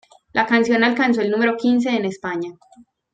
La canción alcanzó el número quince en España.